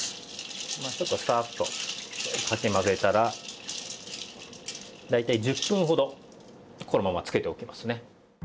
まあちょっとサーッとかき混ぜたら大体１０分ほどこのままつけておきますね。